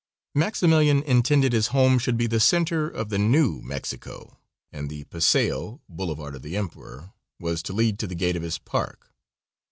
Maximilian intended his home should be the center of the new Mexico, and the paseo "Boulevard of the Emperor" was to lead to the gate of his park.